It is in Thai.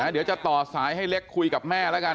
เดี๋ยวจะต่อสายให้เล็กคุยกับแม่แล้วกัน